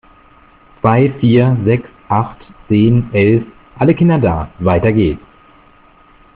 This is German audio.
Zwei, vier, sechs, acht, zehn, elf, alle Kinder da! Weiter geht's.